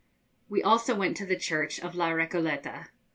We also went to the Church of La Recoleta.